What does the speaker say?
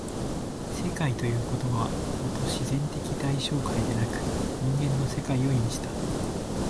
「世界」という言葉はもと自然的対象界でなく人間の世界を意味した。